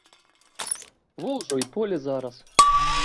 Во ўжо й поле зараз.